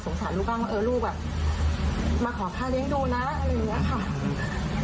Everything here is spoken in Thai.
สงสัยลูกล้างว่าเออลูกอ่ะมาขอภาพเลี้ยงดูนะอะไรแบบนี้ค่ะ